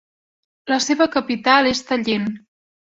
La seva capital és Tallinn.